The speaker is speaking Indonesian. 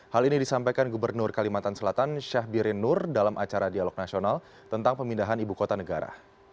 hal ini disampaikan gubernur kalimantan selatan syahbirin nur dalam acara dialog nasional tentang pemindahan ibu kota negara